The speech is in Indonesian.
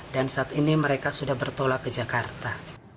dan saat ini mereka sudah bertolak ke jakarta